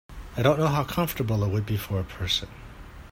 I don’t know how comfortable it would be for a person.